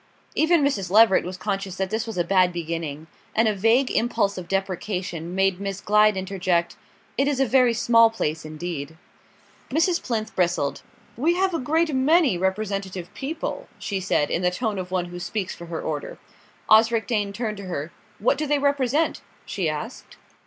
Even Mrs. Leveret was conscious that this was a bad beginning; and a vague impulse of deprecation made Miss Glyde interject: "It is a very small place indeed." Mrs. Plinth bristled. "We have a great many representative people," she said, in the tone of one who speaks for her order. Osric Dane turned to her. "What do they represent?" she asked.